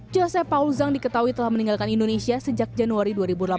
joseph paul zhang diketahui telah meninggalkan indonesia sejak januari dua ribu delapan belas